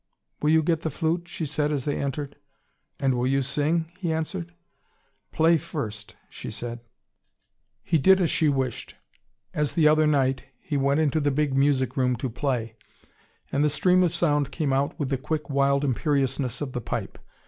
"Will you get the flute?" she said as they entered. "And will you sing?" he answered. "Play first," she said. He did as she wished. As the other night, he went into the big music room to play. And the stream of sound came out with the quick wild imperiousness of the pipe.